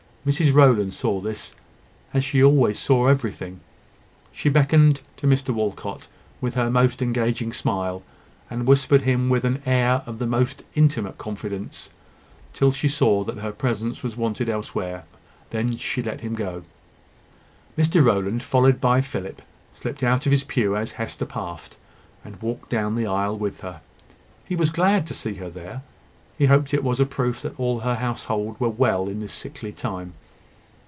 Mrs Rowland saw this, as she always saw everything. She beckoned to Mr Walcot, with her most engaging smile, and whispered him with an air of the most intimate confidence, till she saw that her presence was wanted elsewhere, when she let him go. Mr Rowland, followed by Philip, slipped out of his pew as Hester passed, and walked down the aisle with her. He was glad to see her there; he hoped it was a proof that all her household were well in this sickly time.